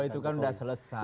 itu kan sudah selesai